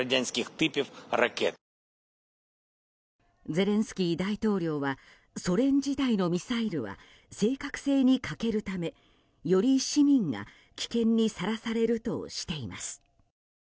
ゼレンスキー大統領はソ連時代のミサイルは正確性に欠けるため、より市民が危険にさらされるとしています。